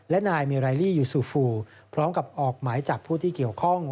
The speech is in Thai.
และนายเมไรลี่ยูซูฟูพร้อมกับออกหมายจับผู้ที่เกี่ยวข้อง